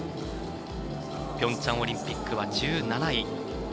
ピョンチャンオリンピック１７位。